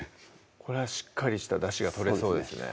これはしっかりしただしが取れそうですね